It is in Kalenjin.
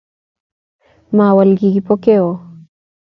Mowol kiy Kipokeo